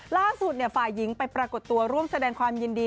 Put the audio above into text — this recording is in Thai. ล่าสุดฝ่ายหญิงไปปรากฏตัวร่วมแสดงความยินดี